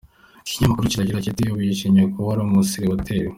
Iki kinyamakuru kiragira kiti:Ubu yishimiye kuba ari umusiribateri.